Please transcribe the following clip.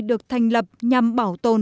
được thành lập nhằm bảo tồn